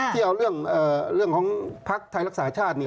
ที่เอาเรื่องของภักดิ์ไทยรักษาชาติ